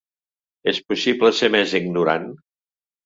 És possible ser més ignorant?.